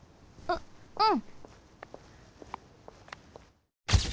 ううん。